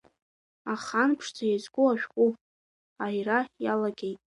Ахан ԥшӡа иазку ашәҟәы, аира иалагеит.